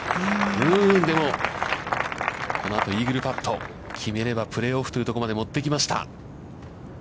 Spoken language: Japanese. でも、このあとイーグルパット決めれば、プレーオフというところまで持ってきました。